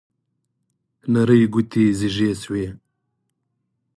نرۍ ګوتې زیږې شوې